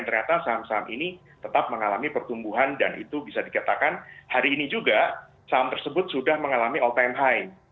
ternyata saham saham ini tetap mengalami pertumbuhan dan itu bisa dikatakan hari ini juga saham tersebut sudah mengalami all time high